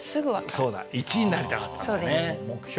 そうだ１位になりたかったんだよね。